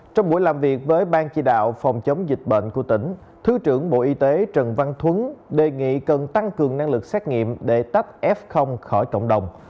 trong buổi làm việc với ban chỉ đạo phòng chống dịch bệnh của tỉnh thứ trưởng bộ y tế trần văn thuấn đề nghị cần tăng cường năng lực xét nghiệm để tắc f khỏi cộng đồng